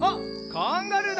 カンガルーだ！